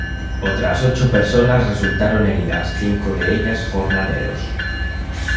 Otras ocho personas resultaron heridas, cinco de ellas jornaleros.